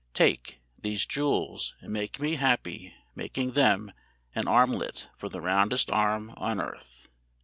("Take ... These jewels, and make me happy, making them An armlet for the roundest arm on earth.")